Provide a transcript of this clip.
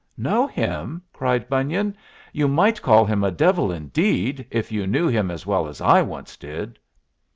"Know him?" cried Bunyan. "You might call him a devil indeed, if you knew him as well as I once did!"